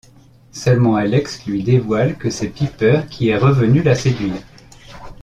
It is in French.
Seulement Alex lui dévoile que c'est Piper qui est revenue la séduire.